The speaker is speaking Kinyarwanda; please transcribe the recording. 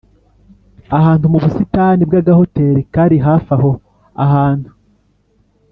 ahantu mubustani bwagahoteri kari hafi aho ahantu